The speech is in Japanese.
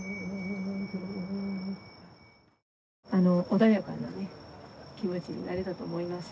穏やかな気持ちになれたと思います。